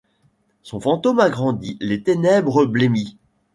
Son fantôme agrandit les ténèbres blêmies ;